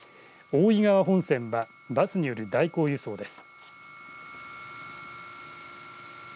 大井川本線はバスによる代行輸送です。